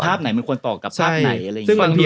ไหนมันควรตอบกับภาพไหนอะไรอย่างนี้